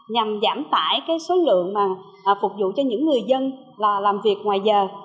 nhằm giảm tải số lượng phục vụ cho những người dân là làm việc ngoài giờ